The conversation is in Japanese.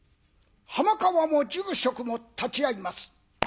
浜川も住職も立ち会います。